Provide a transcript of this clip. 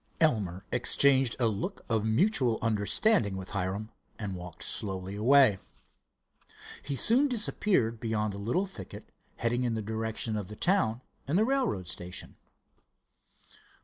Elmer exchanged a look of mutual understanding with Hiram, and walked slowly away. He soon disappeared beyond a little thicket, heading in the direction of the town and the railroad station.